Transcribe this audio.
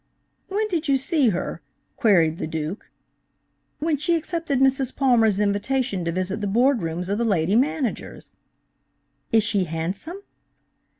"When did you see her?" queried the Duke. "When she accepted Mrs. Palmer's invitation to visit the Board rooms of the Lady Managers." "Is she handsome?"